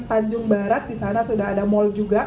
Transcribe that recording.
tanjung barat di sana sudah ada mal juga